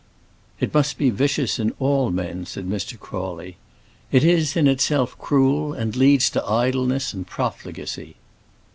"It must be vicious in all men," said Mr. Crawley. "It is in itself cruel, and leads to idleness and profligacy."